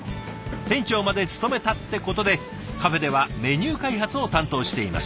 店長まで務めたってことでカフェではメニュー開発を担当しています。